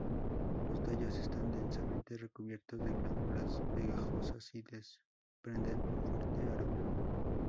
Los tallos están densamente recubiertos de glándulas pegajosas y desprenden un fuerte aroma.